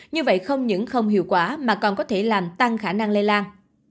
như vậy không những không hiệu quả mà còn có thể làm tăng khả năng lây lan